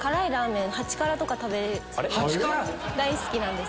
大好きなんです。